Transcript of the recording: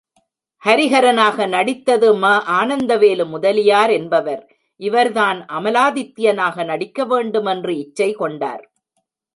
ஹரிஹரனாக நடித்தது ம. ஆனந்தவேலு முதலியார் என்பவர், இவர்தான் அமலாதித்யனாக நடிக்க வேண்டு மென்று இச்சை கொண்டார்.